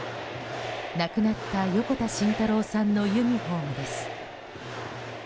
亡くなった横田慎太郎さんのユニホームです。